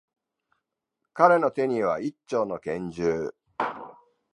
彼の手には、一丁の拳銃。